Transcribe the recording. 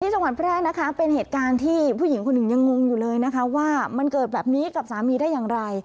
จังหวัดแพร่นะคะเป็นเหตุการณ์ที่ผู้หญิงคนหนึ่งยังงงอยู่เลยนะคะว่ามันเกิดแบบนี้กับสามีได้อย่างไร